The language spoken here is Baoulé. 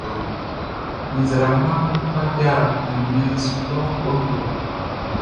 Nzraamaʼm be kpaja ɲanmiɛn su lɔ kɔnguɛ.